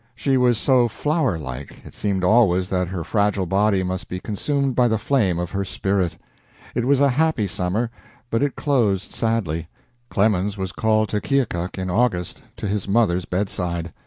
She was so flower like, it seemed always that her fragile body must be consumed by the flame of her spirit. It was a happy summer, but it closed sadly. Clemens was called to Keokuk in August, to his mother's bedside.